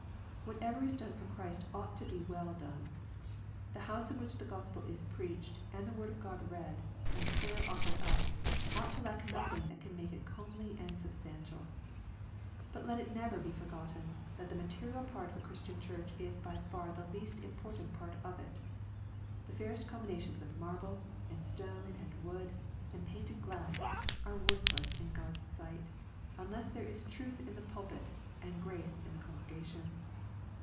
Whatever is done for Christ ought to be well done. The house in which the Gospel is preached, and the Word of God read, and prayer offered up, ought to lack nothing that can make it comely and substantial. But let it never be forgotten that the material part of a Christian Church is by far the least important part of it. The fairest combinations of marble, and stone and wood, and painted glass, are worthless in God's sight, unless there is truth in the pulpit and grace in the con gregation.